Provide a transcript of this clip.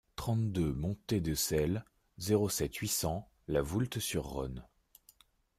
trente-deux montée de Celles, zéro sept, huit cents La Voulte-sur-Rhône